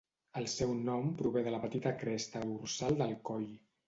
El seu nom prové de la petita cresta dorsal del coll.